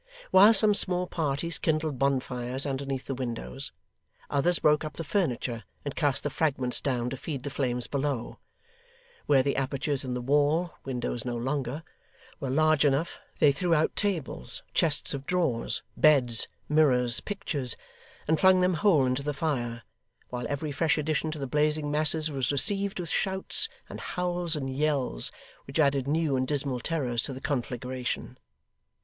While some small parties kindled bonfires underneath the windows, others broke up the furniture and cast the fragments down to feed the flames below; where the apertures in the wall (windows no longer) were large enough, they threw out tables, chests of drawers, beds, mirrors, pictures, and flung them whole into the fire; while every fresh addition to the blazing masses was received with shouts, and howls, and yells, which added new and dismal terrors to the conflagration.